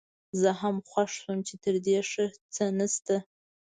زه هم خوښ شوم چې تر دې ښه څه نشته.